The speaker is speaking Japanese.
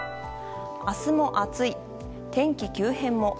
明日も暑い、天気急変も。